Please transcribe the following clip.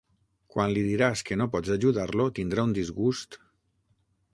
Quan li diràs que no pots ajudar-lo tindrà un disgust!